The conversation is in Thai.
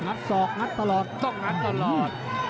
ต้องตรงตู้ตลอด